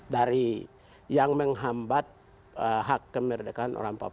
dari yang menghambat hak kemerdekaan orang papua